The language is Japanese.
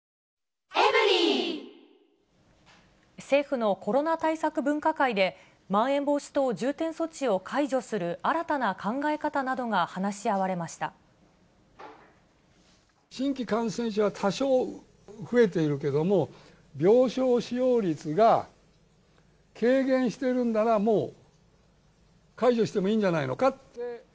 政府のコロナ対策分科会で、まん延防止等重点措置を解除する新たな考え方などが話し合われま新規感染者は、多少増えているけれども、病床使用率が軽減しているんなら、もう解除してもいいんじゃないのか。